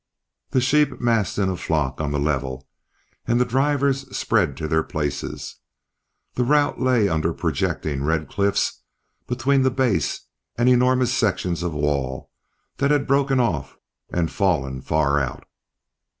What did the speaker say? The sheep massed in a flock on the level, and the drivers spread to their places. The route lay under projecting red cliffs, between the base and enormous sections of wall that had broken off and fallen far out.